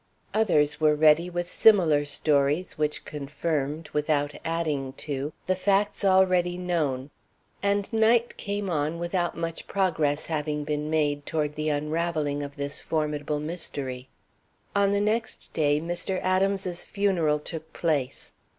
Others were ready with similar stories, which confirmed, without adding to, the facts already known, and night came on without much progress having been made toward the unravelling of this formidable mystery. On the next day Mr. Adams's funeral took place.